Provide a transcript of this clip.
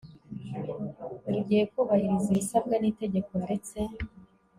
buri gihe kubahiriza ibisabwa n Itegeko ndetse